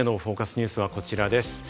ニュースはこちらです。